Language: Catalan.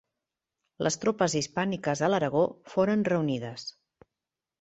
Les tropes hispàniques a l'Aragó foren reunides.